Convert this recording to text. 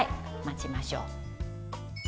待ちましょう。